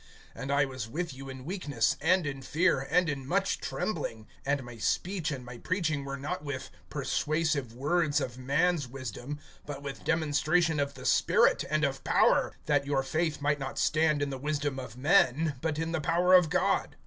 (3)And I was with you in weakness, and in fear, and in much trembling. (4)And my speech and my preaching were not with persuasive words of man's wisdom, but with demonstration of the Spirit and of power; (5)that your faith might not stand in the wisdom of men, but in the power of God.